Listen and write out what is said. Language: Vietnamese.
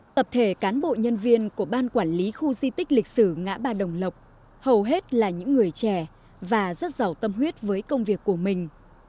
tập thể cán bộ nhân viên của ban quản lý khu di tích lịch sử ngã ba đồng lộc hầu hết là những người trẻ và rất giàu tâm huyết với công việc của mình